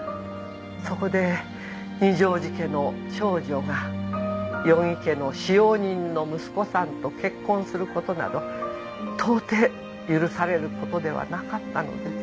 そこで二条路家の長女が余木家の使用人の息子さんと結婚することなどとうてい許されることではなかったのです。